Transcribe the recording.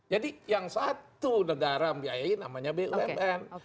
jadi yang satu negara yang dibiayai namanya bumn